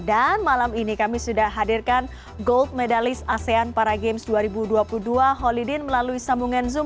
dan malam ini kami sudah hadirkan gold medalist asean para games dua ribu dua puluh dua holy dean melalui sambungan zoom